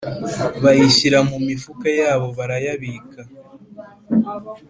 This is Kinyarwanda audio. bayishyirira mu mifuka yabo barayabika